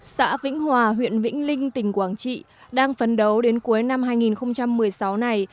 xã vĩnh hòa huyện vĩnh linh tỉnh quảng trị đang phấn đấu đến cuối năm hai nghìn một mươi sáu này